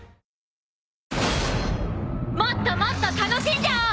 もっともっと楽しんじゃおう！